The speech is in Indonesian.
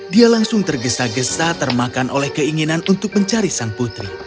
dia langsung tergesa gesa termakan oleh keinginan untuk mencari sang putri